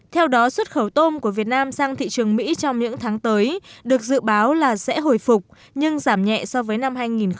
theo đó xuất khẩu tôm của việt nam sang thị trường mỹ trong những tháng tới được dự báo là sẽ hồi phục nhưng giảm nhẹ so với năm hai nghìn một mươi tám